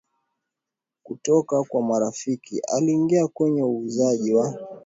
kutoka kwa marafiki aliingia kwenye uuzaji wa